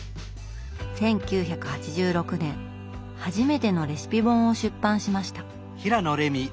１９８６年初めてのレシピ本を出版しました。